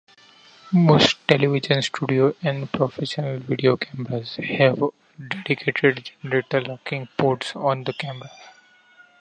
Most television studio and professional video cameras have dedicated generator-locking ports on the camera.